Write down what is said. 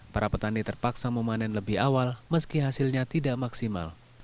para petani terpaksa memanen lebih awal meski hasilnya tidak maksimal